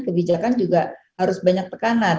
kebijakan juga harus banyak tekanan